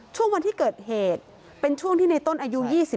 ช่วงวันที่เกิดเหตุเป็นช่วงที่ในต้นอายุ๒๓